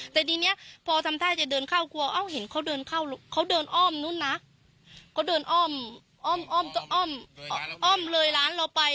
แต่ดีเนี่ยพอทำท่าจะเดินเข้ากลัวเห็นเขาเดินอ้อมนู้นนะเขาเดินอ้อมอ้อมเลยร้านเราไป